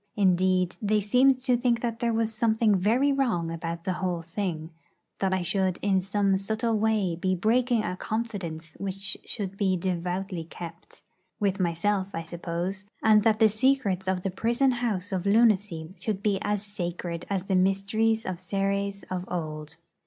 Indeed, they seemed to think that there was something very wrong about the whole thing; that I should in some subtle way be breaking a confidence which should be devoutly kept with myself, I suppose; and that the secrets of the prison house of lunacy should be as sacred as the mysteries of Ceres of old.